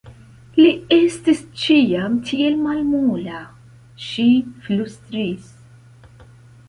Li estis ĉiam tiel malmola, ŝi flustris.